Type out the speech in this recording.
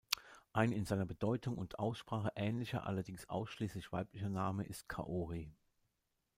Ein in seiner Bedeutung und Aussprache ähnlicher, allerdings ausschließlich weiblicher Name ist Kaori.